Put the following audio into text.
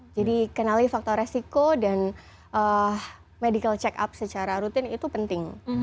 jadi kenali faktor resiko dan medical check up secara rutin itu penting